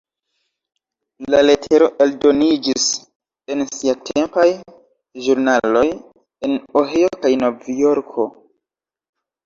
La letero eldoniĝis en siatempaj ĵurnaloj en Ohio kaj Novjorko.